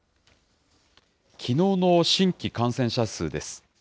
きのうの新規感染者数です。